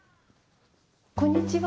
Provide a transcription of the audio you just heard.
こんにちは。